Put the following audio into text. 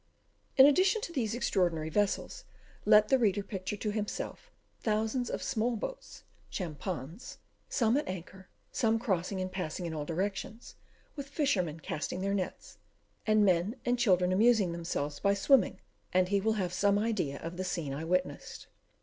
In addition to these extraordinary vessels, let the reader picture to himself thousands of small boats (schampans), some at anchor, some crossing and passing in all directions, with fishermen casting their nets, and men and children amusing themselves by swimming, and he will have some idea of the scene I witnessed.